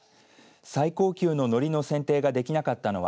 最高級ののりの選定ができなかったのは